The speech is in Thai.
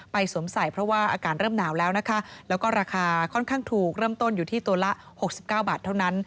สวมใส่เพราะว่าอากาศเริ่มหนาวแล้วนะคะแล้วก็ราคาค่อนข้างถูกเริ่มต้นอยู่ที่ตัวละ๖๙บาทเท่านั้น